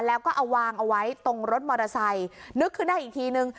แล้วก็เอาวางเอาไว้ตรงรถมอเตอร์ไซค์นึกขึ้นได้อีกทีนึง